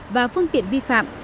và phương tiện vi phạm